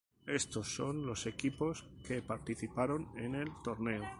Estos son los equipos que participaron en el torneo.